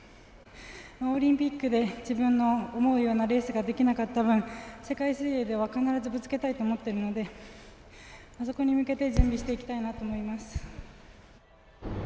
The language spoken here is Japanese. オリンピックで自分の思うようなレースができなかった分、世界水泳では必ずぶつけたいと思っているのでそこに向けて準備していきたいなと思います。